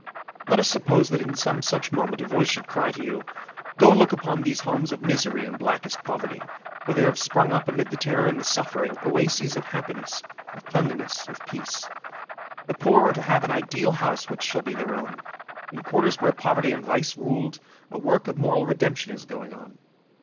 Let us suppose that in some such moment a voice should cry to you, "Go look upon these homes of misery and blackest poverty. For there have sprung up amid the terror and the suffering, oases of happiness, of cleanliness, of peace. The poor are to have an ideal house which shall be their own. In Quarters where poverty and vice ruled, a work of moral redemption is going on.